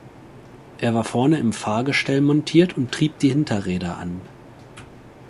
Er war vorne im Fahrgestell montiert und trieb die Hinterräder an.